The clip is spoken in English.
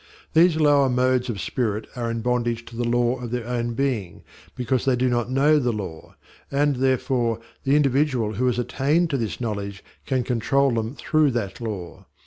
These lower modes of spirit are in bondage to the law of their own being because they do not know the law; and, therefore, the individual who has attained to this knowledge can control them through that law.